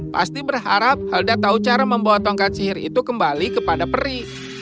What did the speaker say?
pasti berharap helda tahu cara membawa tongkat sihir itu kembali kepada peri